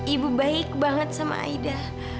ibu baik banget sama aida